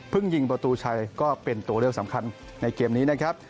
ยิงประตูชัยก็เป็นตัวเลือกสำคัญในเกมนี้นะครับ